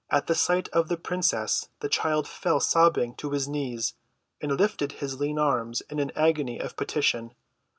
At sight of the princess the child fell sobbing to his knees and lifted his lean arms in an agony of petition.